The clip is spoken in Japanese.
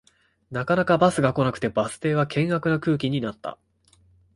なかなかバスが来なくてバス停は険悪な空気になった